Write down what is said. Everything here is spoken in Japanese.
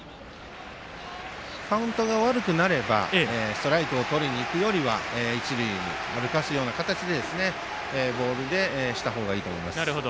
カウントが悪くなればストライクをとりにいくより一塁に歩かせる形でボールにした方がいいと思います。